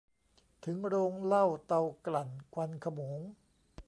ถึงโรงเหล้า เตากลั่น ควันโขมง